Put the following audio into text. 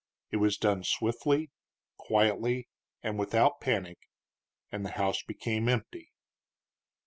It was done swiftly, quietly, and without panic, and the house became empty.